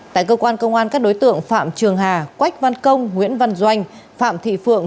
tại cơ quan công an các đối tượng phạm trường hà quách văn công nguyễn văn doanh phạm thị phượng